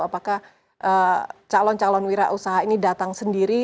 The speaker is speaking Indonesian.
apakah calon calon wira usaha ini datang sendiri